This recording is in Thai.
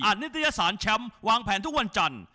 นิตยสารแชมป์วางแผนทุกวันจันทร์